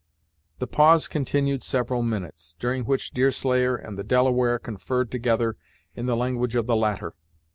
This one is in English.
The pause continued several minutes, during which Deerslayer and the Delaware conferred together in the language of the latter.